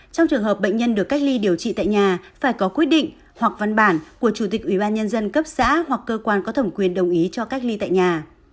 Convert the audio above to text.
trong trường hợp bệnh nhân được cách ly điều trị tại nhà phải có quyết định hoặc văn bản của chủ tịch ubnd cấp xã hoặc cơ quan có thẩm quyền đồng ý cho cách ly tại nhà